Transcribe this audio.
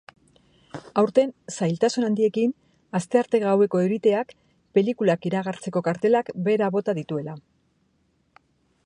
Aurten zailtasun handiekin, astearte gaueko euriteak pelikulak iragartzeko kartelak behera bota dituela.